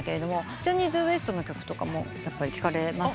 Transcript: ジャニーズＷＥＳＴの曲とかも聴かれますか？